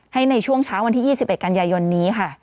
ในช่วงเช้าวันที่๒๑กันยายนนี้ค่ะ